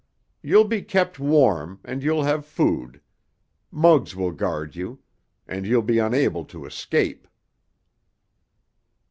You'll be kept warm, and you'll have food. Muggs will guard you. And you'll be unable to escape."